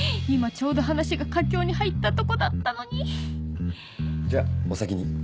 今ちょうど話が佳境に入ったとこだったのにじゃお先に。